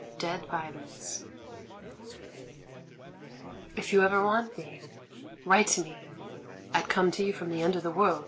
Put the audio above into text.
DEAD VIOLETS "If you ever want me, write to me — I'd come to you from the end of the world!"